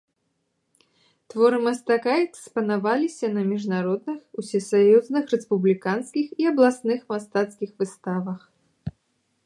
Творы мастака экспанаваліся на міжнародных, усесаюзных, рэспубліканскіх і абласных мастацкіх выставах.